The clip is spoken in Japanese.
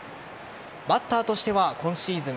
バッターとしては今シーズン